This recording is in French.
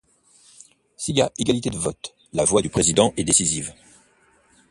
S'il y a égalité de vote, la voix du président est décisive.